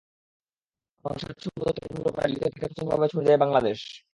বরং সাত সমুদ্র তেরো নদীর ওপারের বিলেতেও তাঁকে প্রচণ্ডভাবে ছুঁয়ে দেয় বাংলাদেশ।